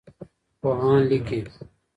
پوهان لیکي.